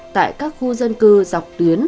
tại các khu dân cư dọc tuyến